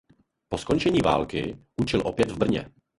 Po skončení války učil opět v Brně.